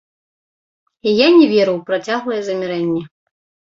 Я не веру ў працяглае замірэнне.